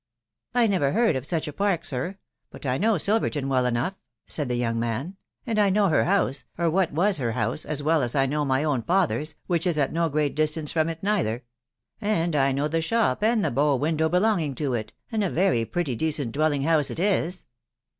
" I never heard of such a park, sir ; but I know Silverton well enough," said the young man, " and I know her house, or what was her house, as well as I know my own father's, which is at no great distance from it neither* And I know the shop and the bow window belonging to it, and a very pretty decent dwelling house it is."